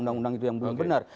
undang undang itu yang belum benar